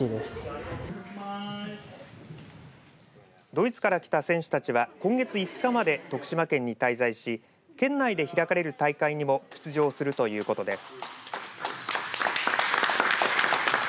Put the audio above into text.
ドイツから来た選手たちは今月５日まで徳島県に滞在し県内で開かれる大会にも出場するということです。